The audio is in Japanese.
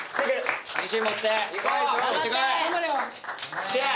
よっしゃあ！